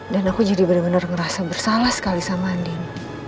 dan aku jadi bener bener ngerasa bersalah sekali sama andien